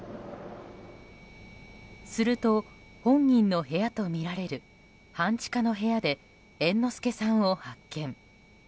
すると、本人の部屋とみられる半地下の部屋で猿之助さんを発見。